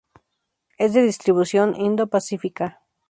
Es de distribución Indo-Pacífica.